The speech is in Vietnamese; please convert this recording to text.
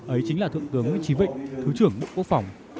ấy chính là thượng tướng nguyễn trí vịnh thứ trưởng bộ quốc phòng